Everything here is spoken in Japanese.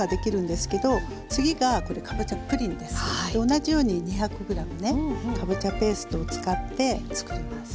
同じように２００ｇねかぼちゃペーストを使ってつくります。